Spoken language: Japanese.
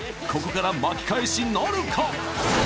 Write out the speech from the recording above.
［ここから巻き返しなるか］